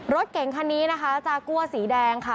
รถเก่งคันนี้นะคะจากัวสีแดงค่ะ